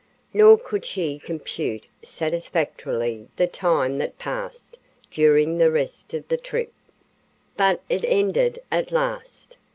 Nor could she compute satisfactorily the time that passed during the rest of the trip. But it ended at last.